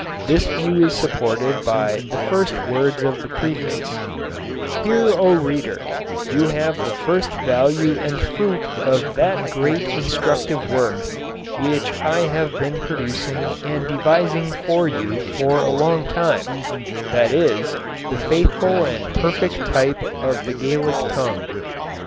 This view is supported by the first words of the preface: "Here, O reader, you have the first value and fruit of that great instructive work, which I have been producing and devising for you for a long time, that is, the faithful and perfect type of the Gaelic tongue."